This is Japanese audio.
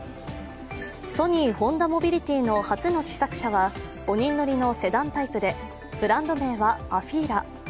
ソニー・ホンダモビリティの初の試作車は５人乗りのセダンタイプでブランド名はＡＦＥＥＬＡ。